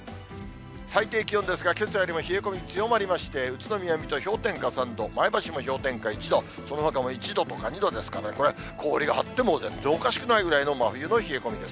最低気温ですが、けさよりも冷え込み強まりまして、宇都宮、水戸、氷点下３度、前橋も氷点下１度、そのほかも１度とか、２度ですからね、これ、氷が張っても全然おかしくないぐらいの真冬の冷え込みです。